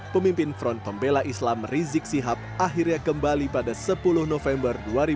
pemimpin front pembela islam rizik sihab akhirnya kembali pada sepuluh november dua ribu dua puluh